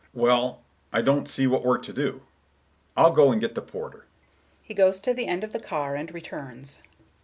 "Well, I don't see what we're to do: I'll go and get the porter." He goes to the end of the car, and returns.